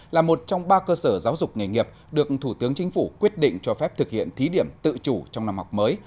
là một trong ba cơ sở giáo dục nghề nghiệp được thủ tướng chính phủ quyết định cho phép thực hiện thí điểm tự chủ trong năm học mới